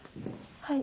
はい。